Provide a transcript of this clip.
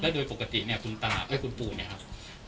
แล้วโดยปกติเนี่ยคุณปู่เนี่ยครับ